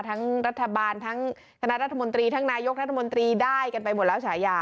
ทั้งรัฐบาลทั้งคณะรัฐมนตรีทั้งนายกรัฐมนตรีได้กันไปหมดแล้วฉายา